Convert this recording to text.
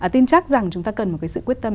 tin chắc rằng chúng ta cần một sự quyết tâm